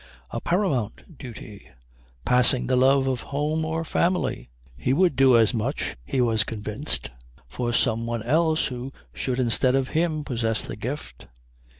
A paramount duty; passing the love of home or family. He would do as much, he was convinced, for some one else who should instead of him possess the gift.